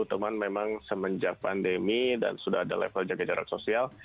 cuman memang semenjak pandemi dan sudah ada level jaga jarak sosial